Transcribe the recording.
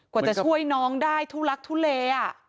กว่าจะช่วยน้องได้ทุลักทุเล